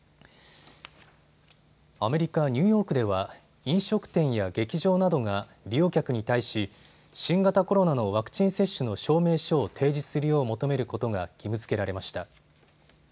アメリカ・ニューヨークでは、飲食店や劇場などが利用客に対し新型コロナのワクチン接種の証明書を提示するよう求めることが義務づけられました。